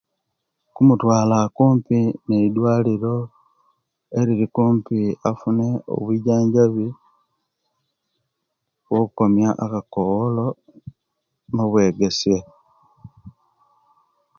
Kumutwala kumpi nedwaliro eriri kumpi afune obijanjabi bwo komiya okakoolo mubwegesiye